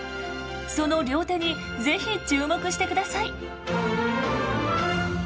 その両手に是非注目してください。